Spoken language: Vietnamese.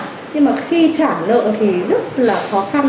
nhưng mà khi trả lợi thì rất là khó khăn